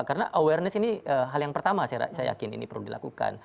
karena awareness ini hal yang pertama saya yakin ini perlu dilakukan